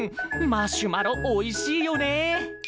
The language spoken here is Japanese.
マシュマロおいしいよね。